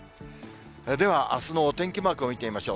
では、あすのお天気マークを見てみましょう。